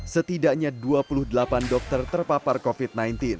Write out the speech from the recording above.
setidaknya dua puluh delapan dokter terpapar covid sembilan belas